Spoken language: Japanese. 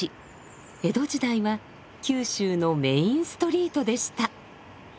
江戸時代は九州のメインストリートでした。